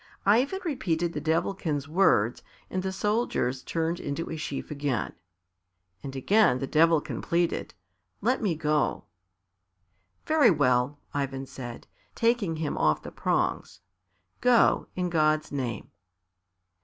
Ivan repeated the Devilkin's words, and the soldiers turned into a sheaf again. And again the Devilkin pleaded, "Let me go." "Very well," Ivan said, taking him off the prongs. "Go, in God's name."